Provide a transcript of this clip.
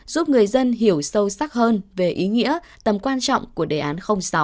giúp người dân hiểu sâu sắc hơn về ý nghĩa tầm quan trọng của đề án sáu